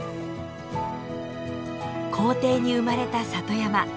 校庭に生まれた里山。